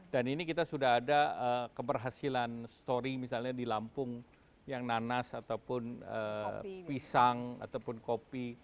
ini kita sudah ada keberhasilan story misalnya di lampung yang nanas ataupun pisang ataupun kopi